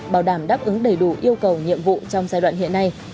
bảo đảm đáp ứng đầy đủ yêu cầu nhiệm vụ trong giai đoạn hiện nay